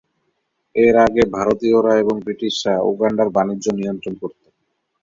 এর আগে ভারতীয়রা এবং ব্রিটিশরা উগান্ডার বাণিজ্য নিয়ন্ত্রণ করতো।